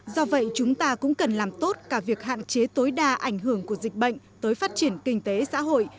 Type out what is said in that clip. do vậy chúng ta cũng cần làm tốt cả việc hạn chế tối đa ảnh hưởng của dịch bệnh tới phát triển kinh tế xã hội